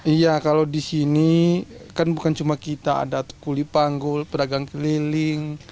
iya kalau di sini kan bukan cuma kita ada kuli panggul pedagang keliling